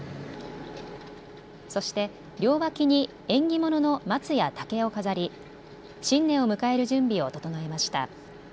そして両脇に縁起物の松や竹を飾り新年を迎える準備を整えました。